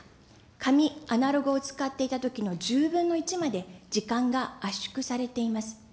紙、アナログを使っていたときの１０分の１まで時間が圧縮されています。